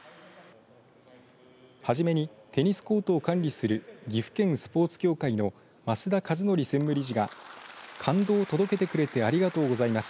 はじめにテニスコートを管理する岐阜県スポーツ協会の増田和伯専務理事が感動を届けてくれてありがとうございます。